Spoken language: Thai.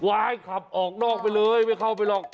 ให้ขับออกนอกไปเลยไม่เข้าไปหรอก